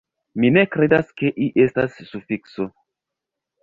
Mi ne kredas, ke -i- estas sufikso.